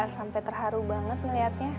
sampai terharu banget ngeliatnya